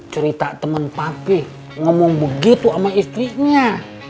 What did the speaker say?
cerita temen papi ngomong begitu sama istrinya